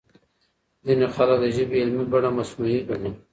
ځينې خلک د ژبې علمي بڼه مصنوعي ګڼي.